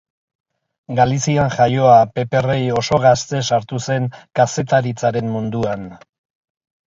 Galizian jaioa, Pepe Rei oso gazte sartu zen kazetaritzaren munduan.